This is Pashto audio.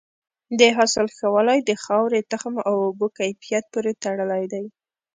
د حاصل ښه والی د خاورې، تخم او اوبو کیفیت پورې تړلی دی.